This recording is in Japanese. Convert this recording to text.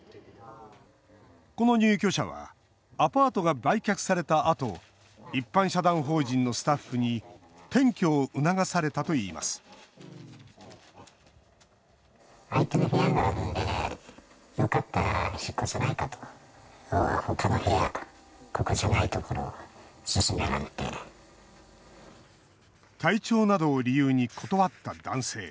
この入居者はアパートが売却されたあと一般社団法人のスタッフに転居を促されたといいます体調などを理由に断った男性。